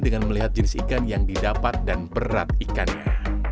dengan melihat jenis ikan yang didapat dan berat ikannya